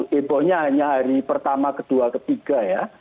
hebohnya hanya hari pertama kedua ketiga ya